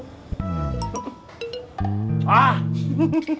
kamu akum sih paling nomor satu buat kamu